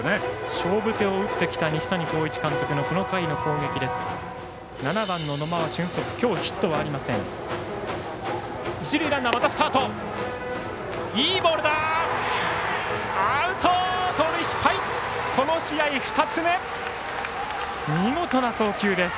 勝負手を打ってきた西谷浩一監督のこの回の攻撃です。